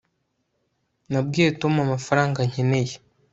nabwiye tom amafaranga nkeneye